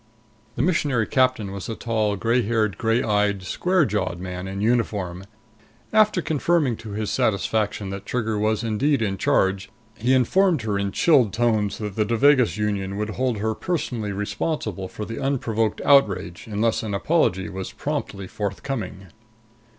The Missionary Captain was a tall, gray haired, gray eyed, square jawed man in uniform. After confirming to his satisfaction that Trigger was indeed in charge, he informed her in chilled tones that the Devagas Union would hold her personally responsible for the unprovoked outrage unless an apology was promptly forthcoming.